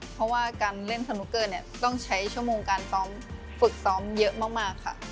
เพราะว่าการเล่นสนุกเกอร์เนี่ยต้องใช้ชั่วโมงการซ้อมฝึกซ้อมเยอะมากค่ะ